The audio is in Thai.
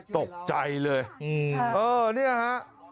ตกใจเลยเออเนี่ยฮะ